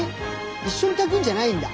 一緒に炊くんじゃないんだ。